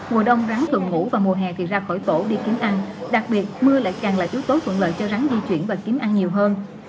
mùa đông rắn thường ngủ và mùa hè thì ra khỏi tổ đi kiếm ăn đặc biệt mưa lại càng là chú tối thuận lợi cho rắn di chuyển và kiếm ăn nhiều hơn